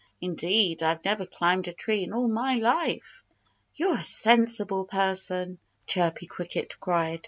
Indeed, I've never climbed a tree in all my life." "You're a sensible person!" Chirpy Cricket cried.